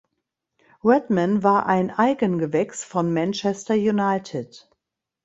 Redman war ein „Eigengewächs“ von Manchester United.